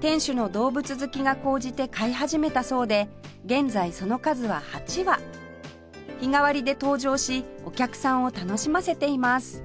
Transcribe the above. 店主の動物好きが高じて飼い始めたそうで現在その数は８羽日替わりで登場しお客さんを楽しませています